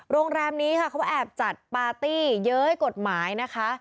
โรงแรมนี้ค่ะเขาแอบจัดปาร์ตี้เย้ยกฎหมายนะคะ